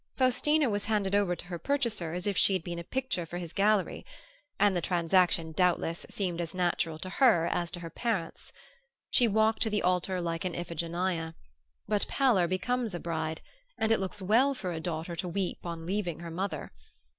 Faustina was handed over to her purchaser as if she had been a picture for his gallery; and the transaction doubtless seemed as natural to her as to her parents. She walked to the altar like an Iphigenia; but pallor becomes a bride, and it looks well for a daughter to weep on leaving her mother.